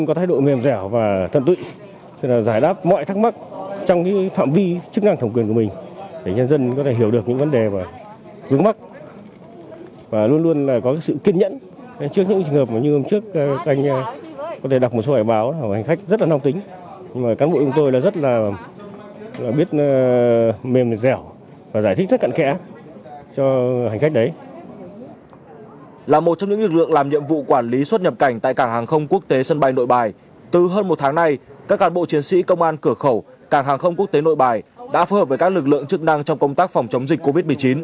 các cán bộ chiến sĩ công an cửa khẩu cảng hàng không quốc tế nội bài đã phù hợp với các lực lượng chức năng trong công tác phòng chống dịch covid một mươi chín